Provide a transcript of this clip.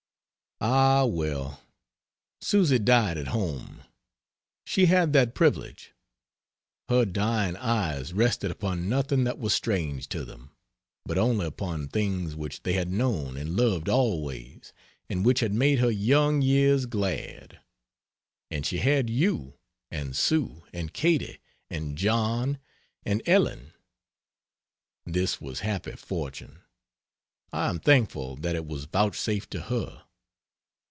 Ah, well, Susy died at home. She had that privilege. Her dying eyes rested upon nothing that was strange to them, but only upon things which they had known and loved always and which had made her young years glad; and she had you, and Sue, and Katy, and John, and Ellen. This was happy fortune I am thankful that it was vouchsafed to her.